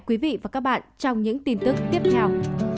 quý vị và các bạn trong những tin tức tiếp theo